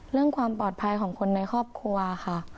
เรื่องความปลอดภัยของคนในครอบครัวค่ะ